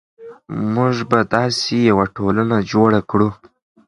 موږ به داسې یوه ټولنه جوړه کړو.